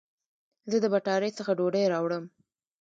زه د بټاری څخه ډوډي راوړم